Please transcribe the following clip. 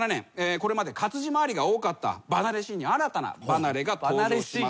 これまで活字周りが多かった離れシーンに新たな離れが登場します。